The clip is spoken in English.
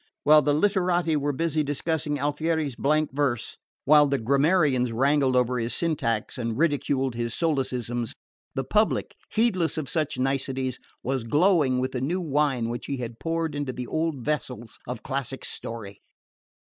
While the literati were busy discussing Alfieri's blank verse, while the grammarians wrangled over his syntax and ridiculed his solecisms, the public, heedless of such niceties, was glowing with the new wine which he had poured into the old vessels of classic story.